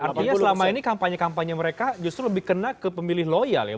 artinya selama ini kampanye kampanye mereka justru lebih kena ke pemilih loyal ya